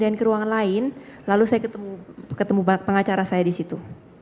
saya pindahin ke ruangan lain lalu saya ketemu ketemu pengacara saya disitu